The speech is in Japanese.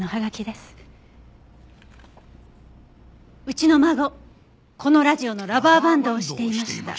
「うちの孫このラジオのラバーバンドをしていました」